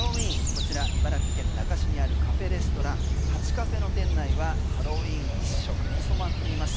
こちらは茨城県那珂市にあるカフェレストランハチカフェの店内はハロウィーン一色に染まっています。